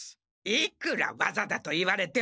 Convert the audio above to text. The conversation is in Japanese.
いくらわざだと言われても。